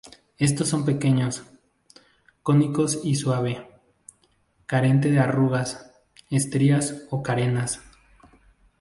Estos son pequeños, cónicos y suave, carente de arrugas, estrías o carenas.